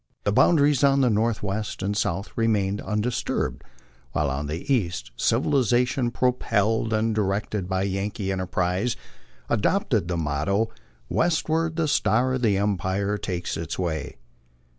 The boundaries on the northwest and south remained undisturbed, while on the east civiliza tion, propelled and directed by Yankee enterprise, adopted the motto, West ward the star of empire takes its way."